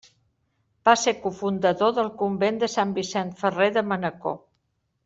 Va ser cofundador del convent de Sant Vicent Ferrer de Manacor.